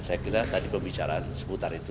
saya kira tadi pembicaraan seputar itu